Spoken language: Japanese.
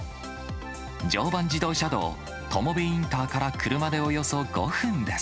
常磐自動車道友部インターから車でおよそ５分です。